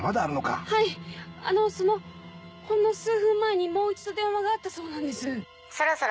そのほんの数分前にもう一度電話があったそうなんです。